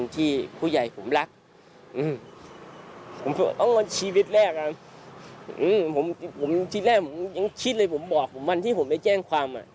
ที่แรกผมยังคิดเลยผมบอกผมวันที่ผมไปแจ้งความ